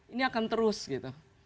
ini akan terus gitu